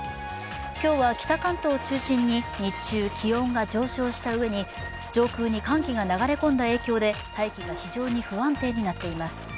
今日は北関東を中心に日中気温が上昇したうえに上空に寒気が流れ込んだ影響で大気が非常に不安定になっています。